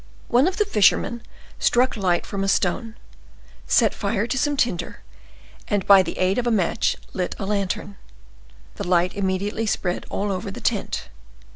One of the fishermen struck light from a stone, set fire to some tinder, and by the aid of a match lit a lantern. The light immediately spread all over the tent.